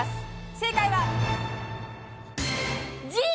正解はＧ！